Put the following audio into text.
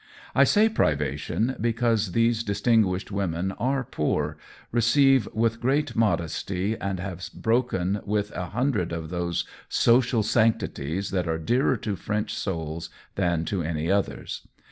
I say privation, because these distinguished women are poor, receive with great modesty, and have broken with a hundred of those social sanctities that are dearer to French souls than to any others.